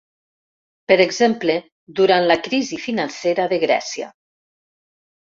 Per exemple, durant la crisi financera de Grècia.